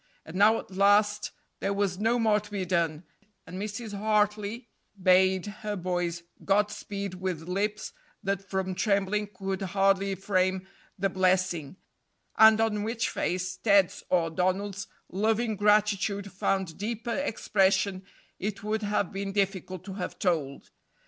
And now at last there was no more to be done, and Mrs. Hartley bade her boys God speed with lips that from trembling could hardly frame the blessing, and on which face Ted's or Donald's loving gratitude found deeper expression it would have been difficult to have told.